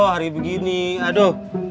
hari begini aduh